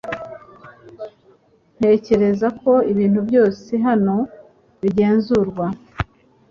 Ntekereza ko ibintu byose hano bigenzurwa .